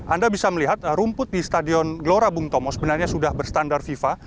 anda bisa melihat rumput di stadion gelora bung tomo sebenarnya sudah berstandar fifa